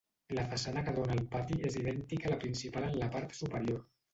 La façana que dóna al pati és idèntica a la principal en la part superior.